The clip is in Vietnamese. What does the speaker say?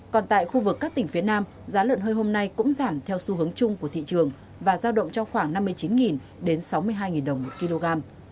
còn tại khu vực các tỉnh phía nam giá lợn hơi hôm nay cũng giảm theo xu hướng chung của thị trường và giao động trong khoảng năm mươi chín đến sáu mươi hai đồng một kg